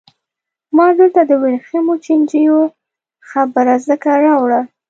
ما دلته د ورېښمو چینجیو خبره ځکه راوړه.